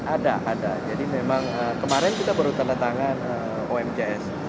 ada ada jadi memang kemarin kita baru tanda tangan omjs